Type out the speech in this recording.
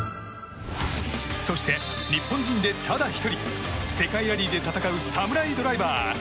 そして、日本人でただ１人世界ラリーで戦う侍ドライバー！